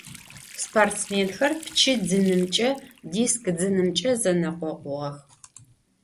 Sportsmênxer pçı dzınımç'e, disk dzınımç'e zenekhokhuğex.